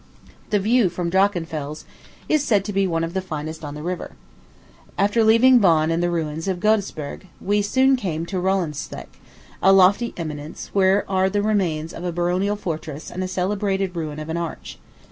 The view from Drachenfels is said to be one of the finest on the river. After leaving Bonn and the ruins of Godesberg, we soon came to Rolandseck, a lofty eminence, where are the remains of a baronial fortress and a celebrated ruin of an arch.